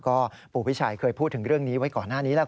ก็ปู่พิชัยเคยพูดถึงเรื่องนี้ไว้ก่อนหน้านี้แล้ว